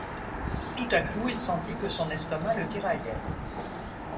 Tout à coup il sentit que son estomac le tiraillait.